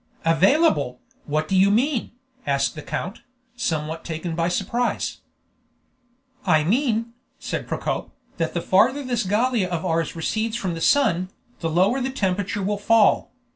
"Available! What do you mean?" asked the count, somewhat taken by surprise. "I mean," said Procope, "that the farther this Gallia of ours recedes from the sun, the lower the temperature will fall.